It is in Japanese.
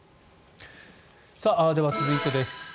では続いてです。